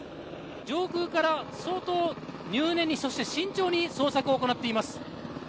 上空から、相当入念にそして慎重に捜索を行っています。